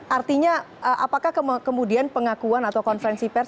artinya apakah kemudian pengakuan atau konferensi pers